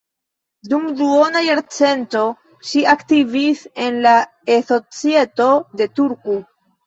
Dum duona jarcento ŝi aktivis en la E-Societo de Turku.